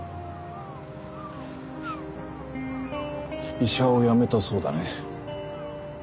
医者をやめたそうだね。